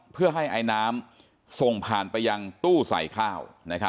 เพื่อให้ไอน้ำส่งผ่านไปยังตู้ใส่ข้าว